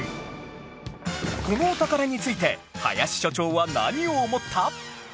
このお宝について林所長は何を思った？